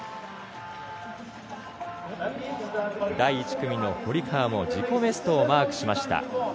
第１組の堀川も自己ベストをマークしました。